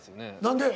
何で？